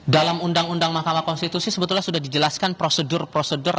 dalam undang undang mahkamah konstitusi sebetulnya sudah dijelaskan prosedur prosedur